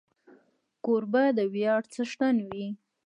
کوربه د ویاړ څښتن وي.